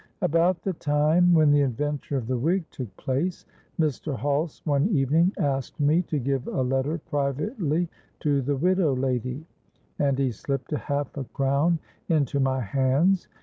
About the time when the adventure of the wig took place, Mr. Hulse one evening asked me to give a letter privately to the widow lady; and he slipped half a crown into my hands.